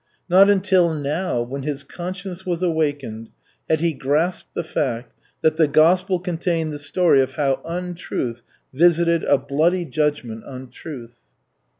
Not until now, when his conscience was awakened, had he grasped the fact that the gospel contained the story of how Untruth visited a bloody judgment on Truth.